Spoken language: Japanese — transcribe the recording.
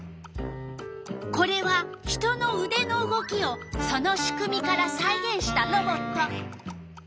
これは人のうでの動きをその仕組みからさいげんしたロボット。